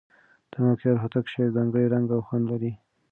د ملکیار هوتک شعر ځانګړی رنګ او خوند لري.